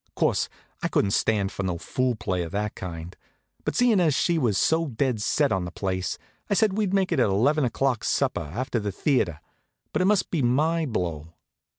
Course, I couldn't stand for no fool play of that kind; but seein' as she was so dead set on the place, I said we'd make it a 'leven o'clock supper, after the theatre; but it must be my blow.